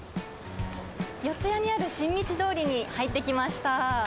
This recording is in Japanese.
四谷にあるしんみち通りに入ってきました。